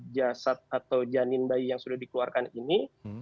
jasad atau janin bayi yang sudah dikeluarkan ini